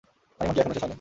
Honeymoon কি এখনও শেষ হয়নি?